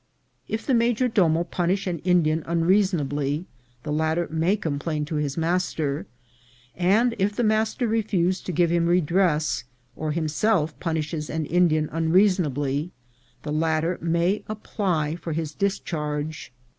If the major domo punish an Indian unreasonably, the latter may complain to his master ; and if the master refuse to give him redress, or himself punishes an Indian unrea sonably, the latter may apply for his discharge.